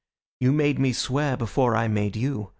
You made me swear before I made you.